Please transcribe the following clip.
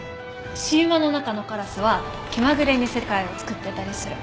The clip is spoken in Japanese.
神話の中のカラスは気まぐれに世界をつくってたりする。